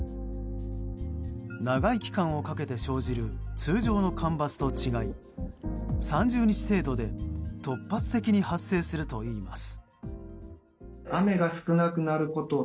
長い期間をかけて生じる通常の干ばつと違い３０日程度で突発的に発生するといいます。